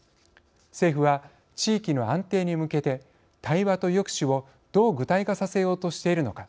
政府は、地域の安定に向けて対話と抑止をどう具体化させようとしているのか。